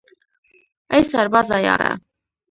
ای سربازه یاره